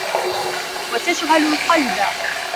وَتَشْغَلُ الْقَلْبَ